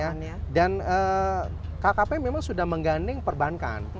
ya dan kkp memang sudah mengganding perbankan